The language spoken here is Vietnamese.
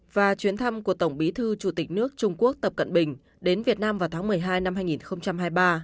và chuyến thăm của tổng bí thư chủ tịch nước trung quốc tập cận bình đến việt nam vào tháng một mươi hai năm hai nghìn hai mươi ba